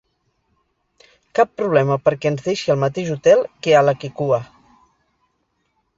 Cap problema perquè ens deixi al mateix hotel Kealakekua.